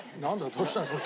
どうしたんですか？